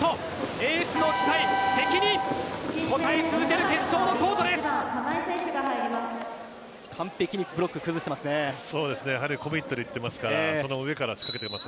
エースの期待、責任応え続ける決勝のコートです。